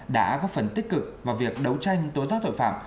đã góp phần tích cực vào việc đấu tranh tố giác tội phạm